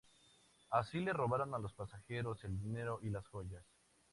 Así, le robaron a los pasajeros el dinero y las joyas.